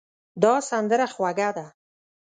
دا سندره خوږه ده.